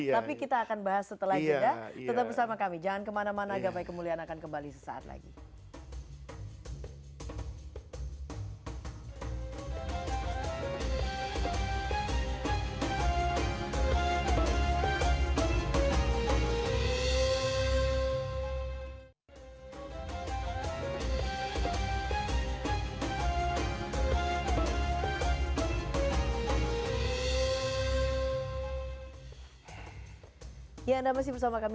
tapi kita akan bahas setelah ini ya tetap bersama kami